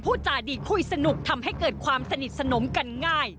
จาดีคุยสนุกทำให้เกิดความสนิทสนมกันง่าย